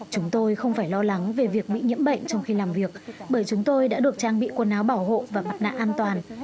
chúng tôi không phải lo lắng về việc bị nhiễm bệnh trong khi làm việc bởi chúng tôi đã được trang bị quần áo bảo hộ và mặt nạ an toàn